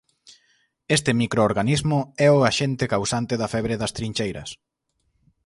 Este microorganismo é o axente causante da febre das trincheiras.